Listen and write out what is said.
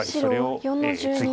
白４の十二。